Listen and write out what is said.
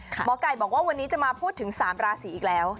หมอไก่บอกว่าวันนี้จะมาพูดถึง๓ราศีอีกแล้ว